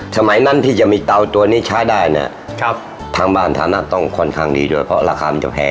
สมัยนั้นที่จะมีเตาตัวนี้ใช้ได้เนี่ยทางบ้านฐานะต้องค่อนข้างดีด้วยเพราะราคามันจะแพง